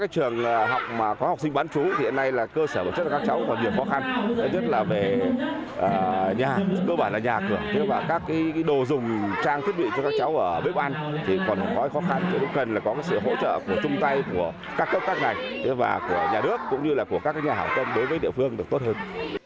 trường học mà có học sinh bán chú thì hôm nay là cơ sở của các cháu còn nhiều khó khăn nhất là về nhà cơ bản là nhà cửa các đồ dùng trang thiết bị cho các cháu ở bếp ăn thì còn khó khăn chứ cũng cần là có sự hỗ trợ của chung tay của các cấp các này và của nhà đức cũng như là của các nhà học tâm đối với địa phương được tốt hơn